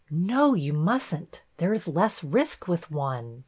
"No, you mustn't. There is less risk with one."